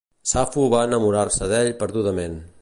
Safo va enamorar-se d'ell perdudament.